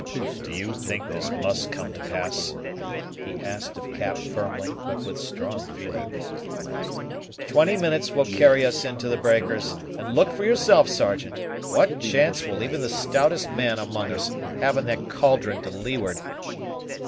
"Do you think this must come to pass?" he asked of Cap firmly, but with strong feeling. "Twenty minutes will carry us into the breakers; and look for yourself, Sergeant: what chance will even the stoutest man among us have in that caldron to leeward?"